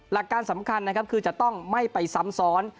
หลักการสำคัญนะครับคือจะต้องไม่ไปซ้ำซ้อน